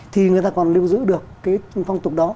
thì người ta còn lưu giữ được cái phong tục đó